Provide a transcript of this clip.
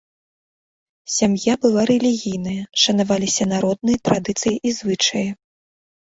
Сям'я была рэлігійная, шанаваліся народныя традыцыі і звычаі.